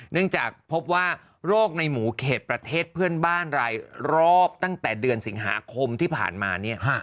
เนื่องจากพบว่าโรคในหมูเขตประเทศเพื่อนบ้านรายรอบตั้งแต่เดือนสิงหาคมที่ผ่านมาเนี่ย